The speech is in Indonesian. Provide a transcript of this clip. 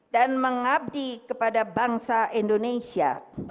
dan mengabdi kepada bangsa indonesia